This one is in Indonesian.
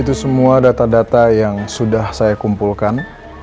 itu semua data data yang sudah saya kumpulkan